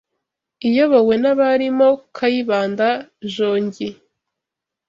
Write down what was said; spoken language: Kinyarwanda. iyobowe n’abarimo Kayibanda jogi